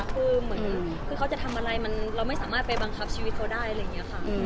คือเหมือนคือเขาจะทำอะไรเราไม่สามารถไปบังคับชีวิตเขาได้อะไรอย่างนี้ค่ะ